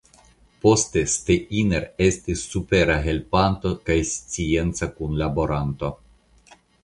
Poste Steiner estis supera helpanto kaj scienca kunlaboranto.